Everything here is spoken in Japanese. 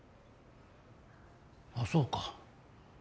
あっそうか。